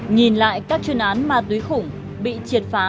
nhìn lại các chuyên án ma túy khủng bị triệt phá